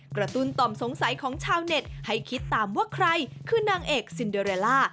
กระตุ้นต่อมสงสัยของชาวเน็ตให้คิดตามว่าใครคือนางเอกซินเดอเรลล่า